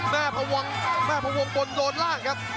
แม่พะวังตลโดนร่าง